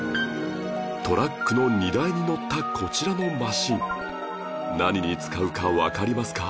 トラックの荷台にのったこちらのマシン何に使うかわかりますか？